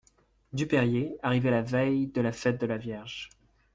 Dupérier, arrivée la veille de la fête de la Vierge.